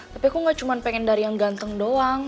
tapi aku gak cuma pengen dari yang ganteng doang